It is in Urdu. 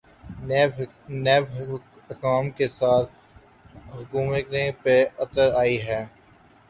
نیب حکام کے ساتھ دھمکیوں پہ اتر آئے ہیں۔